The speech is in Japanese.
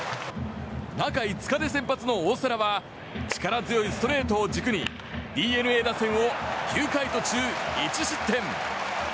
中５日で先発の大瀬良は力強いストレートを軸にＤｅＮＡ打線を９回途中１失点。